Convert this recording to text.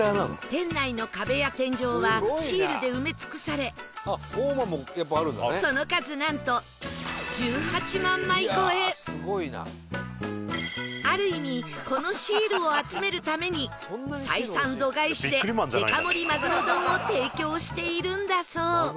店内の壁や天井はシールで埋め尽くされその数なんとある意味このシールを集めるために採算度外視でデカ盛りマグロ丼を提供しているんだそう